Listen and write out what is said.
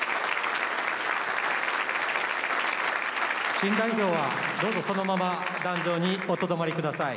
新代表はどうぞそのまま壇上におとどまりください。